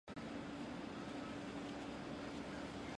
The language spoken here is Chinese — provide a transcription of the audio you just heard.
本鱼分布于非洲刚果河流域。